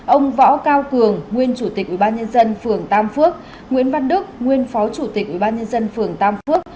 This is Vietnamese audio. ông võ cao cường nguyên chủ tịch ubnd phường tam phước nguyễn văn đức nguyên phó chủ tịch ubnd phường tam phước